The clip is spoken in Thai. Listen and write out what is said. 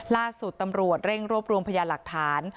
ล่าสุดตำรวจเร่งรวบรวมพยานหลักฐาน